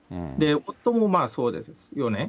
夫もそうですよね。